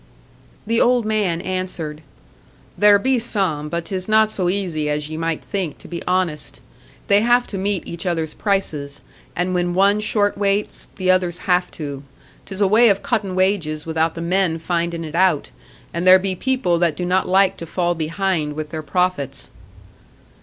The old man answered, "There be some, but 'tis not so easy as ye might think to be honest. They have to meet each other's prices, and when one short weights, the others have to. 'Tis a way of cuttin' wages without the men findin' it out; and there be people that do not like to fall behind with their profits."